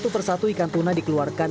satu persatu ikan tuna dikeluarkan